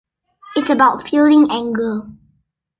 It's about feeling anger.